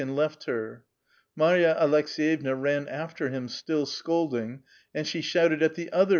and left her. Marya Aloks^vevna ran after him, still scolding, and she shouted at the other izvo.